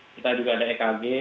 kita juga ada ekg